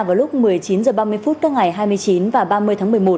vào lúc một mươi chín h ba mươi phút các ngày hai mươi chín và ba mươi tháng một mươi một